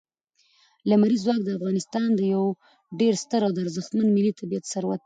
لمریز ځواک د افغانستان یو ډېر ستر او ارزښتمن ملي طبعي ثروت دی.